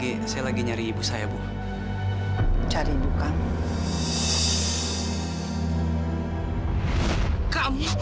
aku tetap gunakan nomor which k hanian terbaik